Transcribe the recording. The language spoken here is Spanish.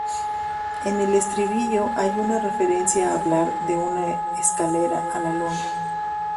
En el estribillo hay una referencia a hablar "de una escalera a la luna".